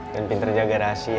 dan pinter jaga rahasia